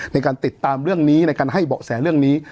ในการติดตามเรื่องนี้ในการให้เบาะแสเรื่องนี้